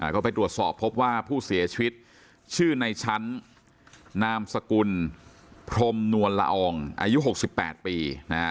ก็ไปตรวจสอบพบว่าผู้เสียชีวิตชื่อในชั้นนามสกุลพรมนวลละอองอายุ๖๘ปี